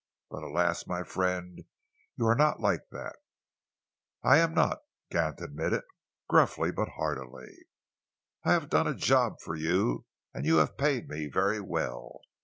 But alas, my friend, you are not like that!" "I am not," Gant admitted, gruffly but heartily. "I have done a job for you, and you have paid me very well.